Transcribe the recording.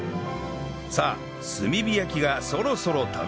さあ炭火焼きがそろそろ食べ頃に